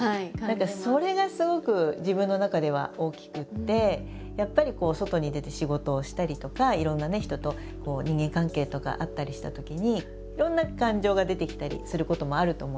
何かそれがすごく自分の中では大きくてやっぱり外に出て仕事をしたりとかいろんな人と人間関係とかあったりしたときにいろんな感情が出てきたりすることもあると思うんですね。